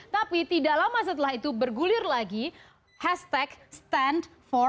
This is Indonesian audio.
tapi tidak lama setelah itu bergulir lagi hashtag stand for